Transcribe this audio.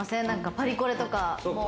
パリコレとか？